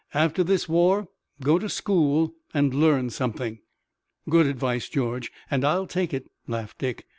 After this war, go to school, and learn something." "Good advice, George, and I'll take it," laughed Dick.